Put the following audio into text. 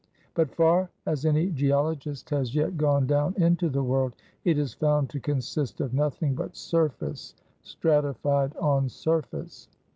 But, far as any geologist has yet gone down into the world, it is found to consist of nothing but surface stratified on surface.